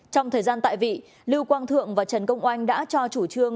trong thời gian tại vị lưu quang thượng và trần công oanh đã cho chủ trương